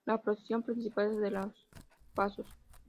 La procesión principal es la de los Pasos.